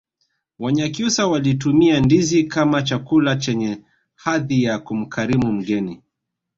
wanyakyusa walitumia ndizi kama chakula chenye hadhi ya kumkarimu mgeni